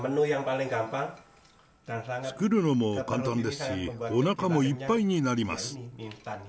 作るのも簡単ですし、おなかもいっぱいになります。